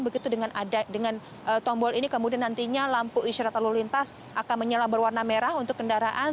begitu dengan tombol ini kemudian nantinya lampu isyarat lalu lintas akan menyala berwarna merah untuk kendaraan